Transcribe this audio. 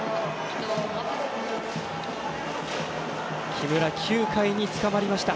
木村、９回につかまりました。